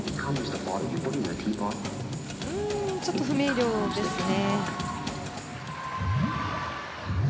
ちょっと不明瞭ですね。